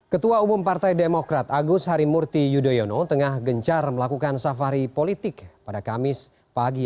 ketua umum partai demokrat agus harimurti yudhoyono tengah gencar melakukan safari politik pada kamis pagi